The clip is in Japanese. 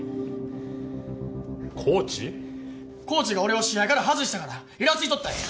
コーチが俺を試合から外したからイラついとったんや！